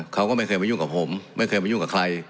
เขาก็ไม่เคยมายุ่งกับผมไม่เคยมายุ่งกับใคร